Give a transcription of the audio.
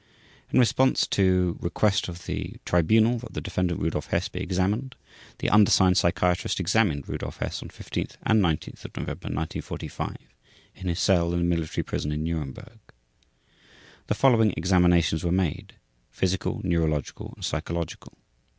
In response to request of the Tribunal that the Defendant Rudolf Hess be examined, the undersigned psychiatrists examined Rudolf Hess on 15 and 19 November 1945 in his cell in the Military Prison in Nuremberg. The following examinations were made: physical, neurological, and psychological.